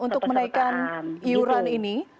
untuk menaikkan iuran ini